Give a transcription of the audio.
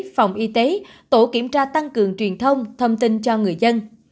phòng y tế tổ kiểm tra tăng cường truyền thông thông tin cho người dân